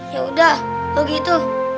yaudah kalau gitu